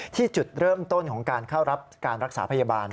จุดเริ่มต้นของการเข้ารับการรักษาพยาบาล